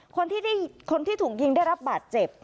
คนที่ถุงยิงได้รับบาดเจ็บ